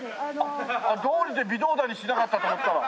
どうりで微動だにしなかったと思ったら。